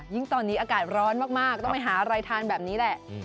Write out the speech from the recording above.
ยิ่งตอนนี้อากาศร้อนมากต้องไปหาอะไรทานแบบนี้แหละ